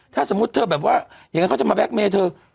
ถ้าสมมุติเธอแบบว่าอย่างนั้นเขาจะมาแล็กเมย์เธอ